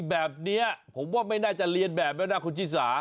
แบบนี้ผมว่าไม่น่าจะเรียนแบบแล้วนะคุณชิสา